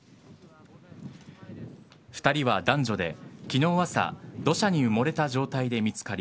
２人は男女で、昨日朝土砂に埋もれた状態で見つかり